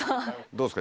どうですか？